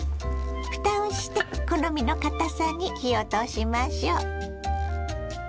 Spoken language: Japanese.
ふたをして好みのかたさに火を通しましょ。